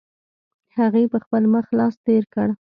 هغې په خپل مخ لاس تېر کړ.